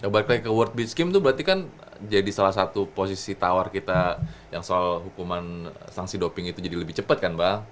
balik lagi ke world beach game itu berarti kan jadi salah satu posisi tawar kita yang soal hukuman sanksi doping itu jadi lebih cepat kan mbak